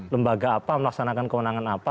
lembaga apa melaksanakan kewenangan apa